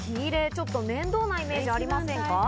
ちょっと面倒なイメージありませんか？